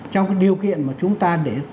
trong điều kiện mà chúng ta để